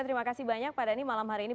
terima kasih banyak pak dhani malam hari ini